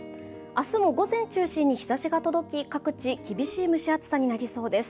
明日も午前中心に日ざしが届き、各地、厳しい蒸し暑さになりそうです。